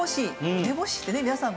梅干しってね皆さん